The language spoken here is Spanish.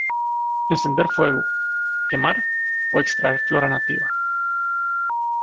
Encender fuego, quemar o extraer flora nativa.